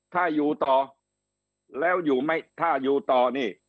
ถ้าอยู่ต่อแล้วอยู่ไม่ถ้าอยู่ต่อนี่